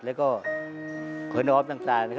และก็เพลินออฟต์ต่าง